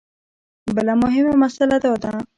بله مهمه مسله دا ده.